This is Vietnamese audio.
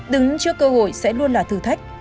đứng trước cơ hội sẽ luôn là thử thách